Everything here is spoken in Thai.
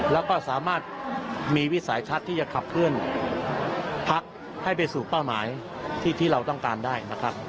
แล้วก็สามารถมีวิสัยชัดที่จะขับเคลื่อนพักให้ไปสู่เป้าหมายที่เราต้องการได้นะครับ